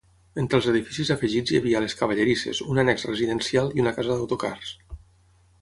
Entre els edificis afegits hi havia les cavallerisses, un annex residencial i una casa d'autocars.